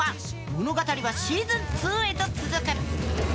物語はシーズン２へと続く。